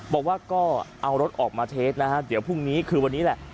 บอกว่าก็เอารถออกมาเทสนะฮะเดี๋ยวพรุ่งนี้คือวันนี้แหละ